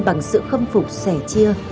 bằng sự khâm phục sẻ chia